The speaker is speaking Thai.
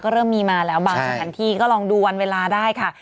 โปรดมีมาแล้วบางสหรันธุ์ที่ก็ลองดูวันเวลาได้ค่ะ